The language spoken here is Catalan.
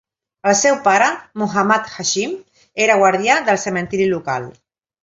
El seu pare, Muhammad Hashim, era guardià del cementiri local.